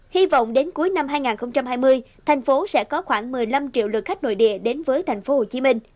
hy vọng đến cuối năm hai nghìn hai mươi tp hcm sẽ có khoảng một mươi năm triệu lượt khách nội địa đến với tp hcm